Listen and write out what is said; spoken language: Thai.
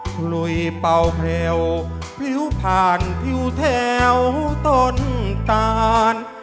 คลุยเป่าแพลวผิวผ่านผิวแถวต้นตาน